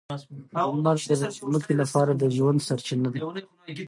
لمر د ځمکې لپاره د ژوند سرچینه ده.